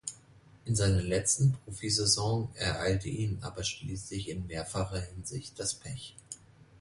In seiner letzten Profisaison ereilte ihn aber schließlich in mehrfacher Hinsicht das Pech.